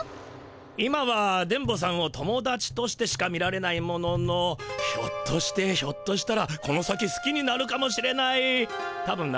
今は電ボさんを友だちとしてしか見られないもののひょっとしてひょっとしたらこの先すきになるかもしれないたぶんならないけど。